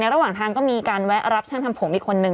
ระหว่างทางก็มีการแวะรับช่างทำผมอีกคนนึง